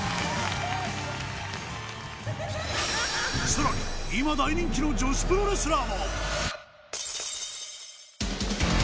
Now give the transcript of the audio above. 更に今大人気の女子プロレスラーも。